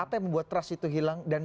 apa yang membuat trust itu hilang dan